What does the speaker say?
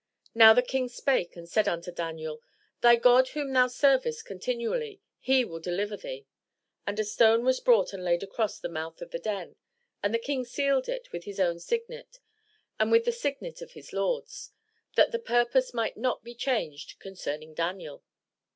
Now the King spake and said unto Daniel: '*Thy God whom thou servest continually, he will deliver thee." And a stone was brought and laid upon the mouth of the den, and the King sealed it with his own signet, and with the signet of his lords; that the purpose might not be changed concerning Daniel.